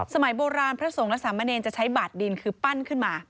สมัยโบราณพระสงฆ์และสามเณรจะใช้บาดดินคือปั้นขึ้นมา